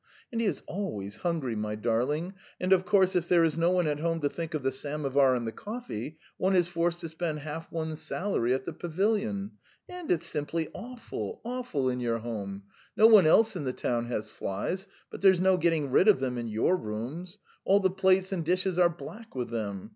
And he is always hungry, my darling, and of course, if there is no one at home to think of the samovar and the coffee, one is forced to spend half one's salary at the pavilion. And it's simply awful, awful in your home! No one else in the town has flies, but there's no getting rid of them in your rooms: all the plates and dishes are black with them.